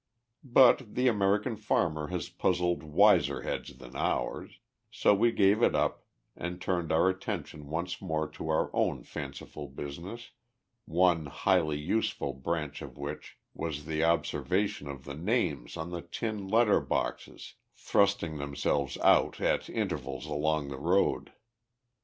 But the American farmer has puzzled wiser heads than ours, so we gave it up and turned our attention once more to our own fanciful business, one highly useful branch of which was the observation of the names on the tin letter boxes thrusting themselves out at intervals along the road.